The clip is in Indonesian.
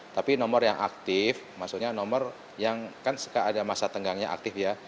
tapi nomor yang aktif maksudnya nomor yang kan ada masa tenggangnya aktif ya